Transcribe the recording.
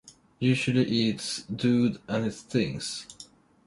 Usually eats Dood and his things.